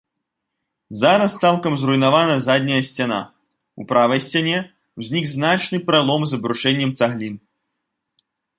Зараз цалкам зруйнавана задняя сцяна, у правай сцяне ўзнік значны пралом з абрушэннем цаглін.